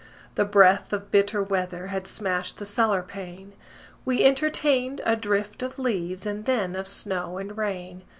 The breath of bitter weather Had smashed the cellar pane: We entertained a drift of leaves And then of snow and rain.